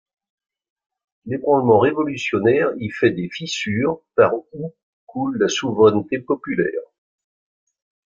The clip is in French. L’ébranlement révolutionnaire y fait des fissures par où coule la souveraineté populaire.